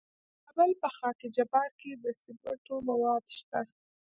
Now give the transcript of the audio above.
د کابل په خاک جبار کې د سمنټو مواد شته.